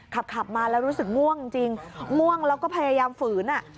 ขับมาแล้วรู้สึกง่วงจริงง่วงแล้วก็พยายามฝืน